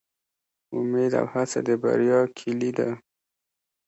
امید او هڅه د بریا کیلي ده